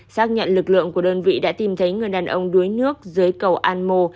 xác nhận lực lượng của đơn vị đã tìm thấy người đàn ông đuối nước dưới cầu an mô